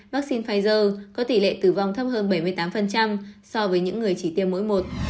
vaccine pfizer có tỷ lệ tử vong thấp hơn bảy mươi tám so với những người chỉ tiêu mỗi một